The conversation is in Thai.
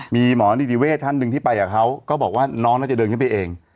มีหมอนิติเวศท่านหนึ่งที่ไปกับเขาก็บอกว่าน้องน่าจะเดินขึ้นไปเอง